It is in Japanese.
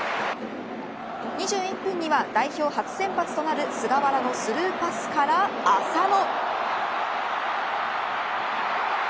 ２１分には代表初先発となる菅原のスルーパスから浅野。